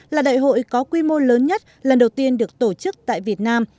là đại hội có quy mô lớn nhất lần đầu tiên được tổ chức tại việt nam